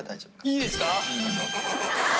いいですか！